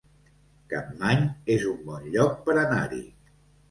Capmany es un bon lloc per anar-hi